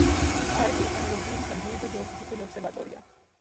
არის ვულკანოლოგიური სადგური და გეოფიზიკური ობსერვატორია.